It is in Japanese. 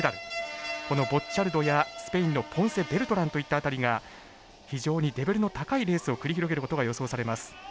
このボッチャルドやスペインのポンセベルトランといった辺りが非常にレベルの高いレースを繰り広げることが予想されます。